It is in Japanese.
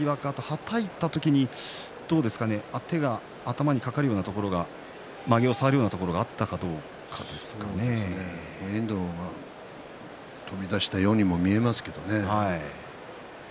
はたいた時に手が頭にかかるようなところがまげを触るようなところが遠藤が飛び出したようにも見えますけれどね。